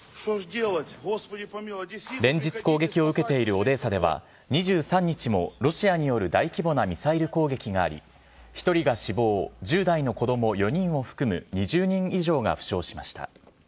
連日攻撃を受けているオデーサでは、２３日もロシアによる大規模なミサイル攻撃があり、１人が死亡、１０代の子ども４人を含む２０人以上が負傷しました。